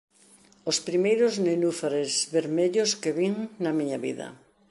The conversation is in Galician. Os primeiros nenúfares vermellos que vin na miña vida.